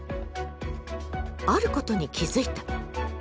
あることに気付いた。